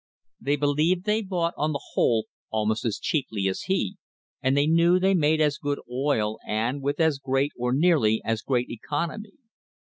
They believed they bought, on the whole, almost as cheaply as he, and they knew they made as good oil and with as great, or nearly as great, economy.